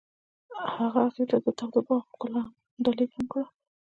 هغه هغې ته د تاوده باغ ګلان ډالۍ هم کړل.